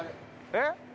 えっ？